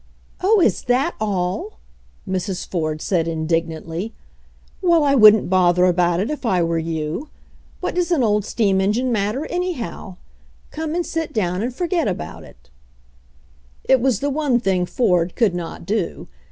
Oh, is that all?" Mrs. Ford said indignantly. Well, I wouldn't bother about it if I were you. What does an old steam engine matter, anyhow ? Come and sit down and forget about it" It was the one thing Ford could not do.